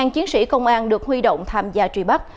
một mươi chiến sĩ công an được huy động tham gia truy bắt